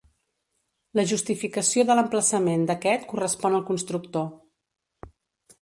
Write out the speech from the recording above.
La justificació de l'emplaçament d'aquest correspon al constructor.